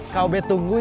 kub tunggu ya